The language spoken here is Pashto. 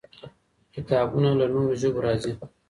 کتابونه له نورو ژبو راځي.